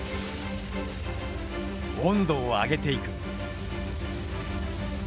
温度を上げていく。